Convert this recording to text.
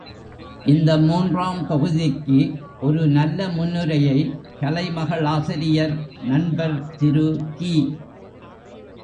இந்த மூன்றாம் தொகுதிக்கு, ஒரு நல்ல முன்னுரையை, கலைமகள் ஆசிரியர், நண்பர் திரு கி.